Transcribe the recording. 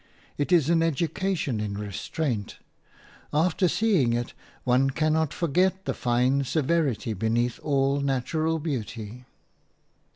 It is an education in restraint; after seeing it, one cannot forget the fine severity beneath all natural beauty.